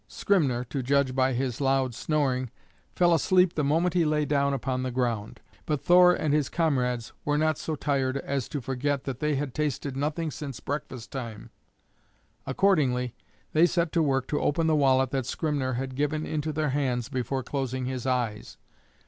Skrymner, to judge by his loud snoring, fell asleep the moment he lay down upon the ground, but Thor and his comrades were not so tired as to forget that they had tasted nothing since breakfast time. Accordingly they set to work to open the wallet that Skrymner had given into their hands before closing his eyes.